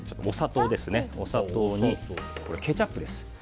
お砂糖にケチャップです。